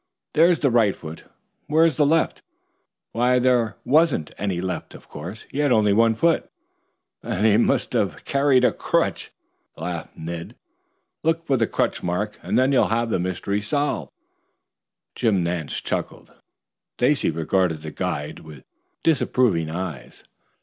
"There's the right foot. Where's the left? Why there wasn't any left, of course. He had only one foot." "Then he must have carried a crutch," laughed Ned. "Look for the crutch mark and then you'll have the mystery solved." Jim Nance chuckled. Stacy regarded the guide with disapproving eyes.